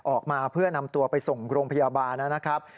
ออกมาเพื่อนำตัวไปส่งโรงพยาบาลนะครับ